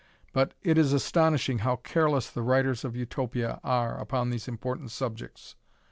But it is astonishing how careless the writers of Utopia are upon these important subjects.